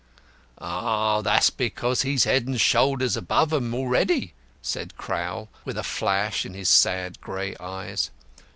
"Ah, that's because he's head and shoulders above 'em already," said Crowl, with a flash in his sad grey eyes.